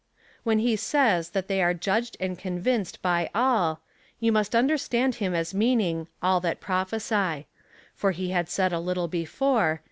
When he says, that they are judged and convinced by all, you must understand him as meaning all that prophesy; for he had said a little before.